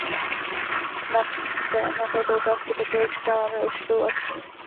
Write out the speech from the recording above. Na téma této otázky také očekáváme určitou akci.